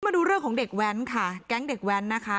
มาดูเรื่องของเด็กแว้นค่ะแก๊งเด็กแว้นนะคะ